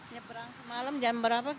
nyebrang semalam jam berapa kita ya